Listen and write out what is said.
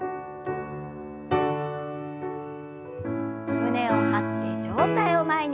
胸を張って上体を前に。